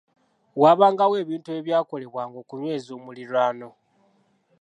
Waabangawo ebintu ebyakolebwanga okunyweza omuliraano.